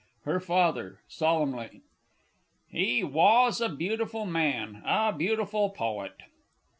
HER FATHER (solemnly). He was a beautiful Man a beautiful Poet.